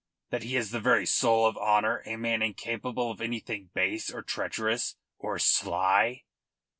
That he is the very soul of honour, a man incapable of anything base or treacherous or sly?"